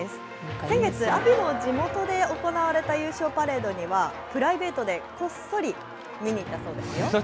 先月、阿炎の地元で行われた優勝パレードには、プライベートでこっそり見に行ったそうですよ。